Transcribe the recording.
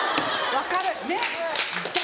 分かる！